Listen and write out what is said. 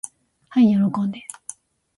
はい喜んで。